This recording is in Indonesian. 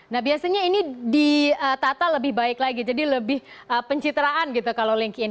nah biasanya ini ditata lebih baik lagi jadi lebih pencitraan gitu kalau linkedin